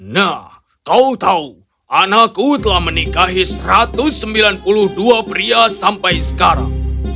nah kau tahu anakku telah menikahi satu ratus sembilan puluh dua pria sampai sekarang